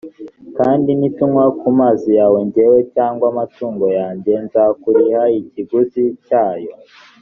kandi nitunywa ku mazi yawe, jyewe cyangwa amatungo yanjye, nzakuriha ikiguzi cyayo.